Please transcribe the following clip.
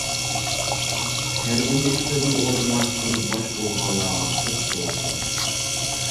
تەرجىمە ئىشلىرىنى ئورۇنلاشتۇرۇپ، باش بولغانلارغا قۇت بولسۇن!